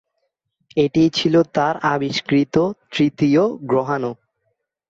এটিই ছিল তাঁর আবিষ্কৃত তৃতীয় গ্রহাণু।